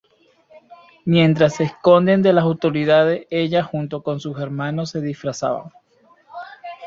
Mientras se esconden de las autoridades, ella, junto con sus hermanos, se disfrazan.